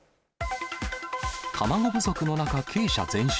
卵不足の中鶏舎全焼。